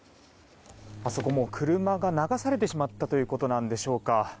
あそこも車が流されてしまったということなんでしょうか。